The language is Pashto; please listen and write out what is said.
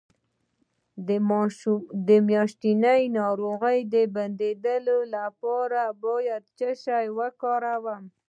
د میاشتنۍ ناروغۍ د بندیدو لپاره باید څه شی وکاروم؟